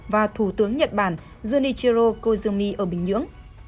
và thủ tướng nhật bản junichiro koizumi ở bình nhưỡng